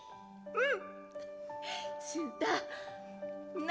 うん！